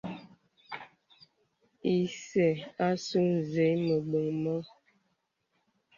Ìsə àsū zèì məbəŋ mɔ̄ŋ.